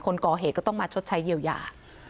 คนก่อเหตุก็ต้องมาชดใช้เยียวยา